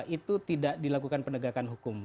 itu tidak dilakukan penegakan hukum